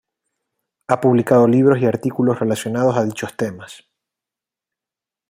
Ha publicado libros y artículos relacionados a dichos temas.